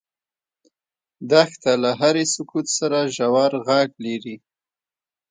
دښته له هرې سکوت سره ژور غږ لري.